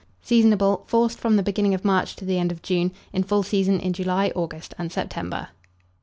Seasonable. Forced from the beginning of March to the end of June; in full season in July, August, and September.